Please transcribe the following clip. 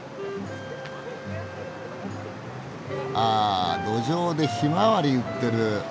あ路上でひまわり売ってる。